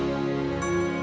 bentar ya sayangnya